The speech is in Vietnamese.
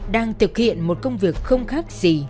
đang thực hiện một công việc không khác gì